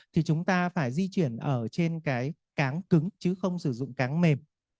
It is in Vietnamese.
thì chúng ta phải di chuyển ở trên cái cáng cứng chứ không sử dụng cáng mềm